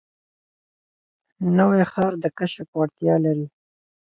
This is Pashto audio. نوی ښار د کشف وړتیا لري